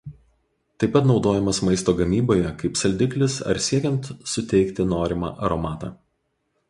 Taip pat naudojamas maisto gamyboje kaip saldiklis ar siekiant suteikti norimą aromatą.